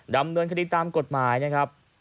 ดำเนินคดีตามกฎหมายนะครับ